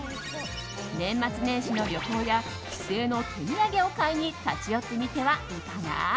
年末年始の旅行や帰省の手土産を買いに立ち寄ってみてはいかが？